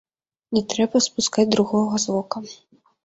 Не трэба спускаць другога з вока.